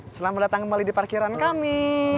selamat datang kembali di parkiran kami